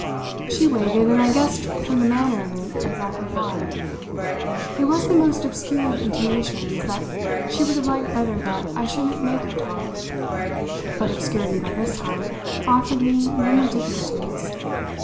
She waited, and I guessed from the manner of it exactly why. It was the most obscure of intimations that she would have liked better that I shouldn't make her talk; but obscurity, by this time, offered me no more difficulties.